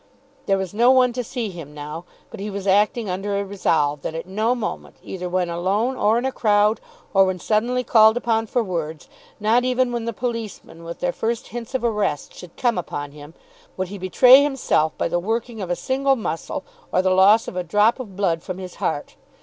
There was no one to see him now, but he was acting under a resolve that at no moment, either when alone, or in a crowd, or when suddenly called upon for words, not even when the policemen with their first hints of arrest should come upon him, would he betray himself by the working of a single muscle, or the loss of a drop of blood from his heart.